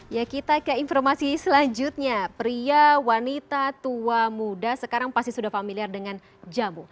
ya kita ke informasi selanjutnya pria wanita tua muda sekarang pasti sudah familiar dengan jamu